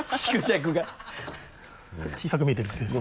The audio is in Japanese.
小さく見えてるだけです。